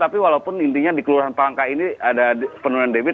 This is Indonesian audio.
tapi walaupun intinya di kelurahan palangka ini ada penurunan debit